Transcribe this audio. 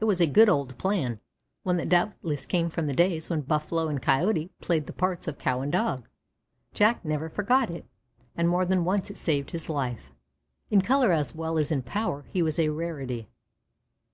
It was a good old plan one that doubtless came from the days when Buffalo and Coyote played the parts of Cow and Dog. Jack never forgot it, and more than once it saved his life. In color as well as in power he was a rarity.